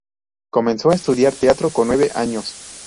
Comenzó a estudiar teatro con nueve años.